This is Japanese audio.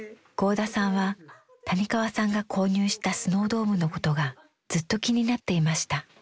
合田さんは谷川さんが購入したスノードームのことがずっと気になっていました。